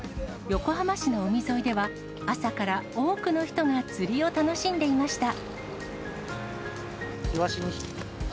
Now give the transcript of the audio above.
横浜市の海沿いでは、朝から多くの人が釣りを楽しんでいました。